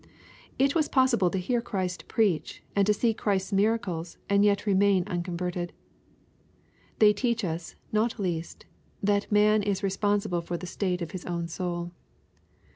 It was possible to hear Christ prtjach, and to see Christ's miracles, and yet to remain uncon verted. They teach us, not least, that man is responsible for the state of his own soul.